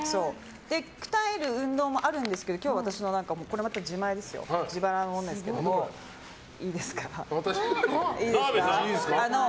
鍛える運動もあるんですが今日私のこれまた自前自腹のものですけどいいですか。